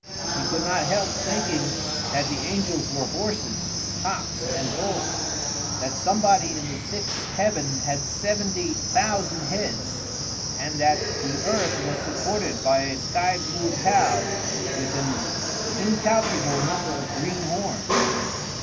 He could not help thinking that the angels were horses, cocks, and bulls; that somebody in the sixth heaven had seventy thousand heads; and that the earth was supported by a sky blue cow with an incalculable number of green horns.